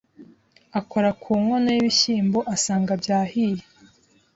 akora ku nkono y'ibishyimbo asanga byahiye